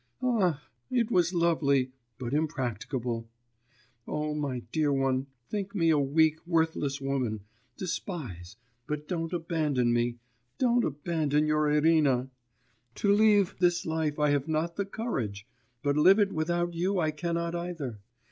Ah! it was lovely but impracticable. O my dear one, think me a weak, worthless woman, despise, but don't abandon me, don't abandon your Irina!... To leave this life I have not the courage, but live it without you I cannot either.